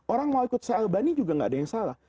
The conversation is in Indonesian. orang mau ikut syah albani juga gak ada yang salah